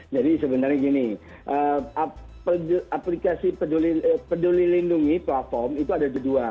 jadi sebenarnya gini aplikasi peduli lindungi platform itu ada dua